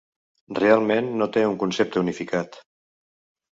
Realment no té un concepte unificat.